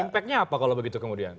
impactnya apa kalau begitu kemudian